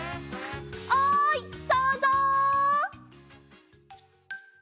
おいそうぞう！